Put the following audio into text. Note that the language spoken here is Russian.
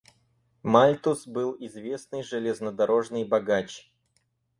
Мальтус был известный железнодорожный богач.